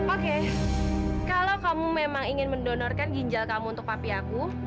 oke kalau kamu memang ingin mendonorkan ginjal kamu untuk papi aku